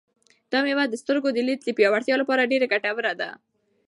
دا مېوه د سترګو د لید د پیاوړتیا لپاره ډېره ګټوره ده.